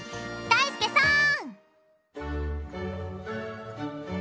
だいすけさん！